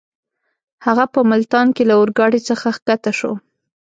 هغه په ملتان کې له اورګاډۍ څخه کښته شو.